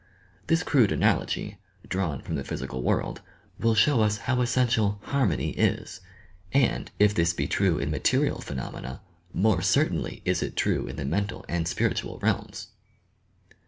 This crude analogy, drawn from the physical world, will show us how essential harmony is; and, if this be true, in material phenomena, more cer tainly iB it true in the mental and spiritual realms.